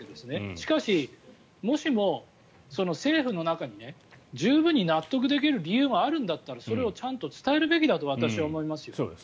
しかし、もしも政府の中に十分に納得できる理由があるんだったらそれをちゃんと伝えるべきだと私は思いますよ。